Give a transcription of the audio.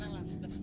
tenang lan tenang